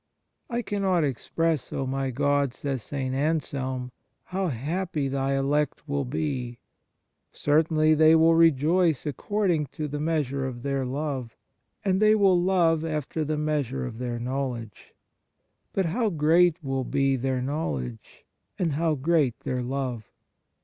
" I cannot express, O my God," says St. Anselm, " how happy Thy elect will be; certainly they will rejoice according to the measure of their love, and they will love after the measure of their knowledge. But how great will be their knowledge, and how great their love